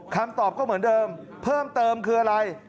คำตอบก็เหมือนเดิมเพิ่มเติมคืออะไร